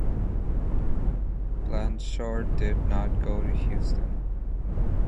Blanshard did not go to Houston.